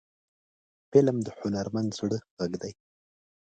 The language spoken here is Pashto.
فلم د هنرمند زړه غږ دی